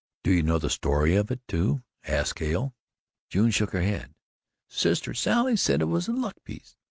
"Do you know the story of it, too?" asked Hale. June shook her head. "Sister Sally said it was a luck piece.